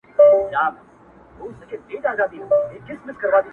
• او له سترگو يې څو سپيني مرغلري ـ